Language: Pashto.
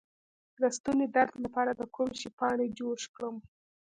د ستوني د درد لپاره د کوم شي پاڼې جوش کړم؟